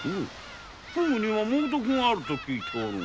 フグには猛毒があると聞いておるが？